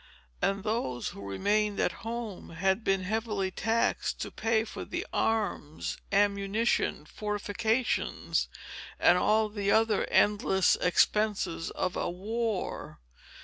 And those, who remained at home, had been heavily taxed to pay for the arms, ammunition, fortifications, and all the other endless expenses of a war.